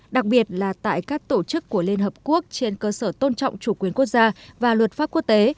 đặc biệt là tại các tổ chức của liên hợp quốc trên cơ sở tôn trọng chủ quyền quốc gia và luật pháp quốc tế